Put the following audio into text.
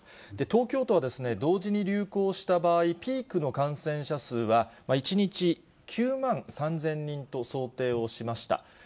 東京都は同時に流行した場合、ピークの感染者数は１日９万３０００人と想定をしました。